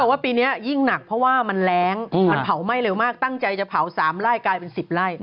ว่าปีนี้ยิ่งหนักเพราะว่ามันแรงมันเผาไหม้เร็วมากตั้งใจจะเผา๓ไร่กลายเป็น๑๐ไร่